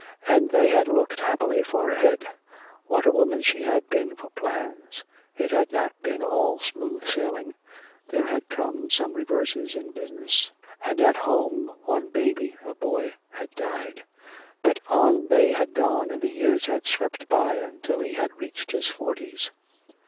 And they had looked happily far ahead. What a woman she had been for plans. It had not been all smooth sailing. There had come reverses in business, and at home one baby, a boy, had died. But on they had gone and the years had swept by until he had reached his forties.